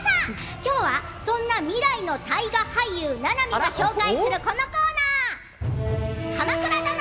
今日はそんな未来の大河俳優ななみが紹介するこのコーナー。